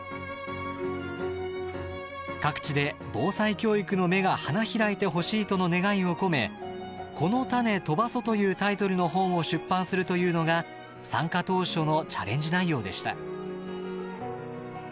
各地で防災教育の芽が花開いてほしいとの願いを込め「このたねとばそ」というタイトルの本を出版するというのが参加当初のチャレンジ内容でした。